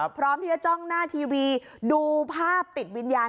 พร้อมที่จะจ้องหน้าทีวีดูภาพติดวิญญาณ